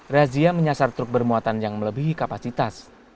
razia menyasar truk bermuatan yang melebihi kapasitas